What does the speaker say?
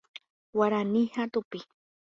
Guarani ha tupi.